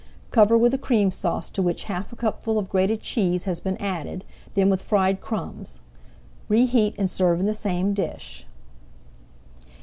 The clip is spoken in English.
Cover with a Cream Sauce to which half a cupful of grated cheese has been added, then with fried crumbs. Reheat and serve in the same dish.